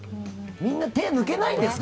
みんな手、抜けないんですね。